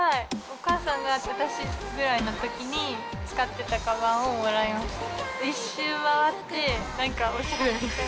お母さんが私ぐらいのときに、使っていたかばんをもらいました。